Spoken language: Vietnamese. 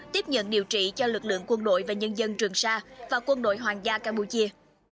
tiếp nhận điều trị cho lực lượng quân đội và nhân dân trường sa và quân đội hoàng gia campuchia